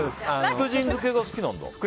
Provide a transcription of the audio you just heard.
福神漬けが好きなんだ。